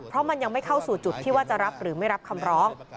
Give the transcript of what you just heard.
เพราะมันยังไม่เข้าสู่จุดที่ว่าจะรับหรือไม่รับคำร้อง